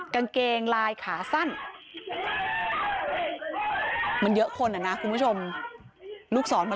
กางเกงลายขาสั้นมันเยอะคนอ่ะนะคุณผู้ชมลูกศรมัน